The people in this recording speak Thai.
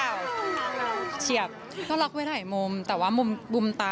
มีอะไรบ้างคะ